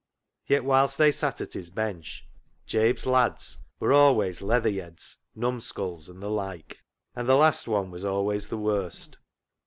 Yet whilst they sat at his bench, Jabe's " lads " were always " leather BILLY BOTCH 33 yeds," "numskulls," and the like. And the last one was always the worst.